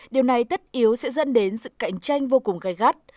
điều này tất yếu sẽ dẫn đến sự cạnh tranh vô cùng gai gắt